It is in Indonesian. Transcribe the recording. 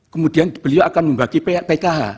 kemudian beliau akan membagi pkh